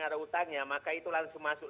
ada hutangnya maka itu langsung masuk